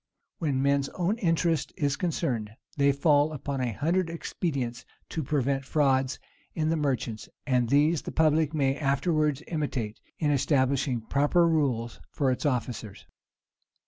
When men's own interest is concerned, they fall upon a hundred expedients to prevent frauds in the merchants; and these the public may afterwards imitate, in establishing proper rules for its officers.